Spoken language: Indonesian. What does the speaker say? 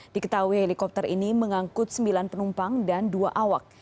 diketahui helikopter ini mengangkut sembilan penumpang dan dua awak